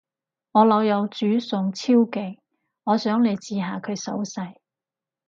我老友煮餸超勁，我想你試下佢手勢